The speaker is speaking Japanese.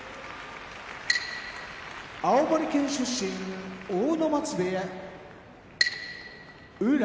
青森県出身阿武松部屋宇良